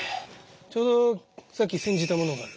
ちょうどさっき煎じたものがある。